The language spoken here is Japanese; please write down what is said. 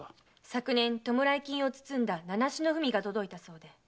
昨年弔い金を包んだ名なしの文が届いたそうで。